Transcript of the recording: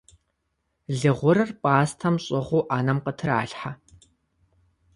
Лы гъурыр пӀастэм щӀыгъуу Ӏэнэм къытралъхьэ.